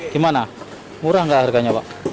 gimana murah nggak harganya pak